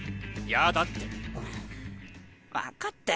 やだって！